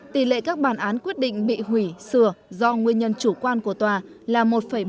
tỷ lệ các bàn án quyết định bị hủy sửa do nguyên nhân chủ quan của tòa là một một mươi ba